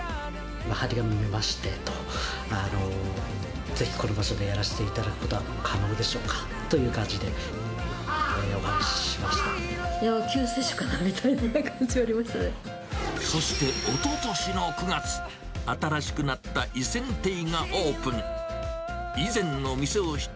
張り紙見まして、ぜひこの場所でやらせていただくことは可能でしょうか？という感じでお話し救世主かなみたいな感じ、そしておととしの９月、新しくなったイセンテイがオープン。